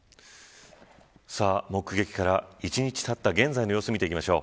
目撃から１日たった現在の様子、見ていきましょう。